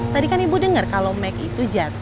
tadi kan ibu dengar kalau mac itu jatuh